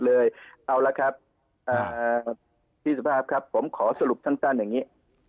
เอาละครับพี่สุภาพครับผมขอสรุปสั้นอย่างนี้